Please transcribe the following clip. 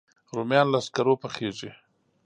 رومیان له سکرو پخېږي